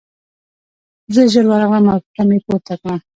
زه ژر ورغلم او ټوټه مې پورته کړه